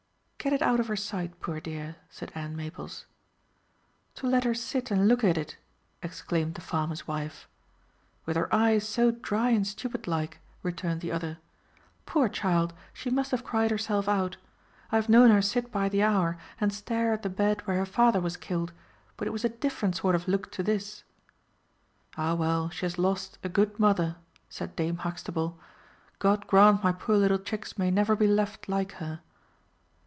"Get it out of her sight, poor dear," said Ann Maples. "To see her sit and look at it!" exclaimed the farmer's wife. "With her eyes so dry and stupid like!" returned the other. "Poor child, she must have cried herself out. I have known her sit by the hour, and stare at the bed where her father was killed, but it was a different sort of look to this." "Ah well, she has lost a good mother," said Dame Huxtable. "God grant my poor little chicks may never be left like her."